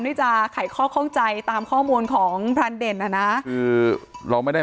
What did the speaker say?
ที่จะไขข้อข้องใจตามข้อมูลของพรานเด่นอ่ะนะคือเราไม่ได้